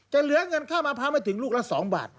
เหลือเงินค่ามะพร้าวไม่ถึงลูกละ๒บาท